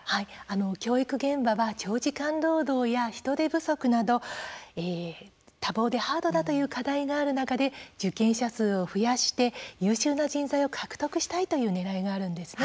教育現場は長時間労働や人手不足など多忙でハードだという課題がある中で受験者数を増やして優秀な人材を獲得したいというねらいがあるんです。